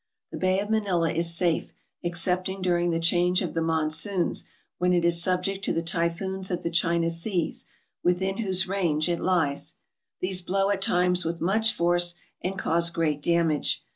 The bay of Manila is safe, ex cepting during the change of the monsoons, when it is subject to the typhoons of the China seas, within whose range it lies. These blow at times with much force and cause great damage.